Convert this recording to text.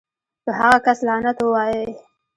پۀ هغه کس لعنت اووائې